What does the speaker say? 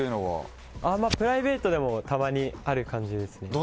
プライベートでのたまにある感じですね。